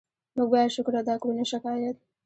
موږ باید شکر ادا کړو، نه شکایت.